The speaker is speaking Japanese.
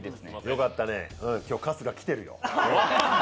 よかったね、今日、春日来てるよ。